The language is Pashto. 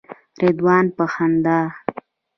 رضوان په خندا.